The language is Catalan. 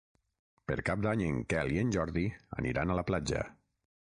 Per Cap d'Any en Quel i en Jordi aniran a la platja.